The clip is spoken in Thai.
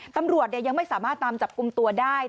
ตำรวจยังไม่สามารถตามจับกลุ่มตัวได้